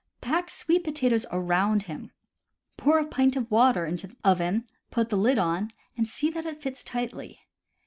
Pack sweet potatoes around him. Pour a pint of water into the oven, put the lid on, and see that it fits tightly.